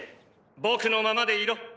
僕のままでいろ。